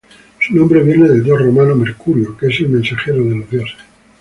Su nombre viene del dios romano: Mercurio que es el mensajero de los dioses.